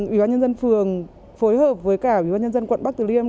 ủy ban nhân dân phường phối hợp với cả ủy ban nhân dân quận bắc từ liêm